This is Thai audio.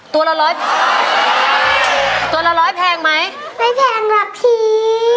ตัวละร้อยตัวละร้อยแพงไหมได้แพงหรอกพี่